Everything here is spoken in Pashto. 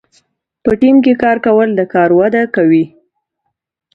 په ټیم کې کار کول د کار وده کوي.